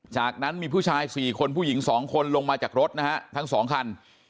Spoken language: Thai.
จากนั้นมีผู้ชาย๔คนผู้หญิง๒คนลงมาจากรถนะฮะทั้งสองคัน